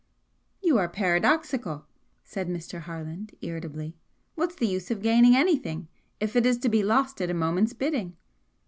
"You are paradoxical," said Mr. Harland, irritably. "What's the use of gaining anything if it is to be lost at a moment's bidding?"